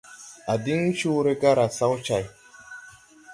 À diŋ coore garà sawcày.